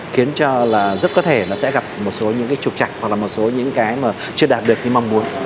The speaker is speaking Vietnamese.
khiến cho là rất có thể nó sẽ gặp một số những cái trục chặt hoặc là một số những cái mà chưa đạt được như mong muốn